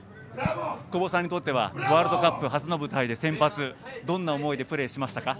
久保さんにとってはワールドカップ初の舞台で先発どうでしたか。